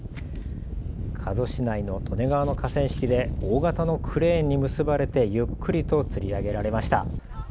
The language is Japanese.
加須市内の利根川の河川敷で大型のクレーンに結ばれてゆっくりとつり上げられました。